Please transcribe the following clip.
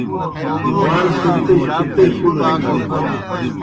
وال صُرتِجیْ پِتے کُلہ نِکَھزنَن۔